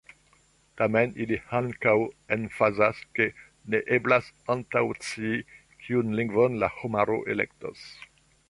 Tamen ili ankaŭ emfazas, ke ne eblas antaŭscii, kiun lingvon la homaro elektos.